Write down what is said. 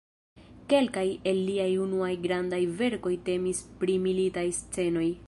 Kelkaj el liaj unuaj grandaj verkoj temis pri militaj scenoj.